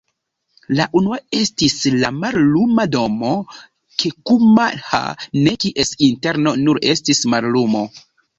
La unua estis la Malluma Domo, Kekuma-ha, en kies interno nur estis mallumo".